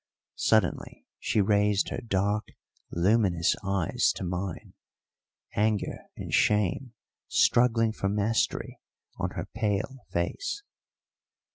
Suddenly she raised her dark, luminous eyes to mine, anger and shame struggling for mastery on her pale face.